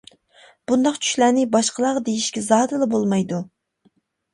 بۇنداق چۈشلەرنى باشقىلارغا دېيىشكە زادىلا بولمايدۇ.